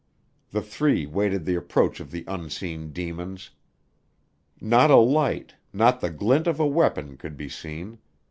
The three waited the approach of the unseen demons. Not a light, not the glint of a weapon could be seen.